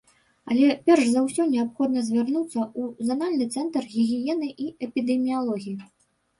Але перш за ўсё неабходна звярнуцца ў занальны цэнтр гігіены і эпідэміялогіі.